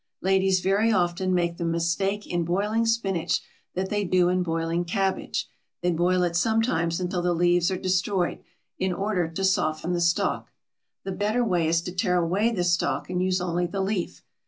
Ladies very often make the mistake in boiling spinach that they do in boiling cabbage. They boil it sometimes until the leaves are destroyed, in order to soften the stalk. The better way is to tear away the stalk and use only the leaf.